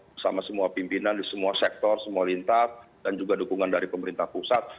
bersama semua pimpinan di semua sektor semua lintas dan juga dukungan dari pemerintah pusat